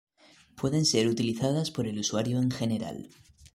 Pueden ser utilizadas por el usuario en general.